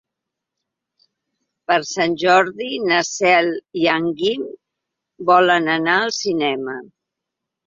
Per Sant Jordi na Cel i en Guim volen anar al cinema.